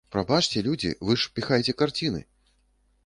Прабачце, людзі, вы ж піхаеце карціны!